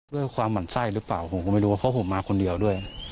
ความหมั่นไส้หรือเปล่าผมก็ไม่รู้ว่าเพราะผมมาคนเดียวด้วย